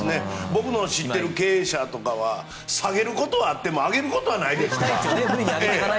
僕の知ってる経営者とかは下げることはあっても上げることはないですから。